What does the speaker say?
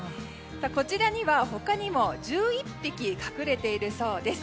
こちらには、他にも１１匹隠れているそうです。